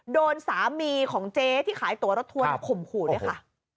โดนสามีของเจ๊ที่ขายตัวรถทัวร์ข่มขู่ด้วยค่ะ